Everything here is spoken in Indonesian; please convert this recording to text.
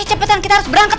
ini ngapain juga kamu